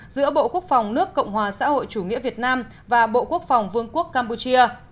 giữa bộ quốc phòng nước cộng hòa xã hội chủ nghĩa việt nam và bộ quốc phòng vương quốc campuchia